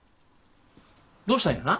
どうしたんやな？